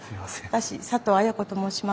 私佐藤綾子と申します。